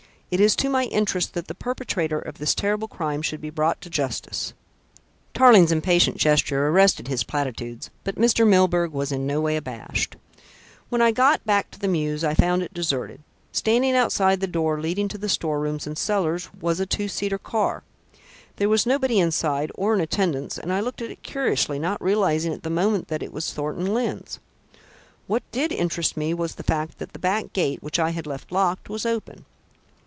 It is to my interest that the perpetrator of this terrible crime should be brought to justice " Tarling's impatient gesture arrested his platitudes, but Mr. Milburgh was in no way abashed. "When I got back to the mews I found it deserted. Standing outside the door leading to the storerooms and cellars was a two seater car. There was nobody inside or in attendance and I looked at it curiously, not realising at the moment that it was Mr. Thornton Lyne's. What did interest me was the fact that the back gate, which I had left locked, was open.